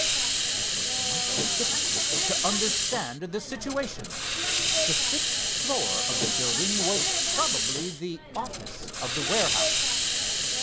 It was not difficult to understand the situation. The sixth floor of the building was probably the office of the warehouse.